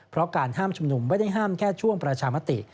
เพราะการห้ามชุมนุมไม่ได้ห้ามแค่ช่วงประชามติ